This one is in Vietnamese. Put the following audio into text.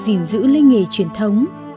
dình giữ lây nghề truyền thống